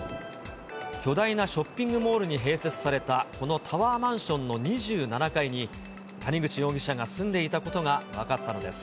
巨大なショッピングモールに併設されたこのタワーマンションの２７階に、谷口容疑者が住んでいたことが分かったのです。